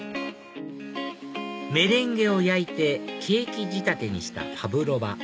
メレンゲを焼いてケーキ仕立てにしたパブロバ